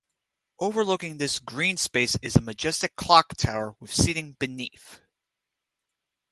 Overlooking this green space is a majestic clock tower with seating beneath.